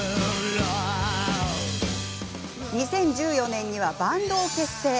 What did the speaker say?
２０１４年にはバンドを結成。